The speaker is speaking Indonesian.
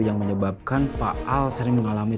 yang menyebabkan pak al sering mengalami